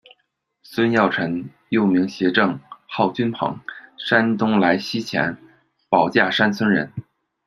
孙耀臣，又名协正，号君鹏，山东莱西前保驾山村人。